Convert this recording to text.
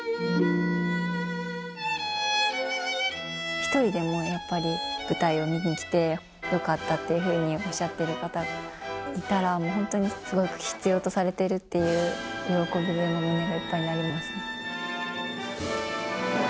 一人でもやっぱり、舞台を見に来て、よかったっていうふうにおっしゃってる方いたら、もう本当に必要とされているっていう喜びで胸がいっぱいになりますね。